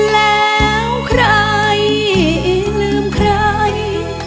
แล้วใครลืมใคร